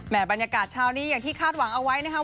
บรรยากาศเช้านี้อย่างที่คาดหวังเอาไว้นะครับ